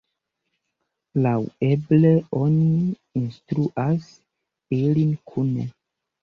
Laŭeble, oni instruas ilin kune.